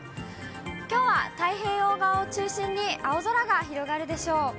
きょうは太平洋側を中心に、青空が広がるでしょう。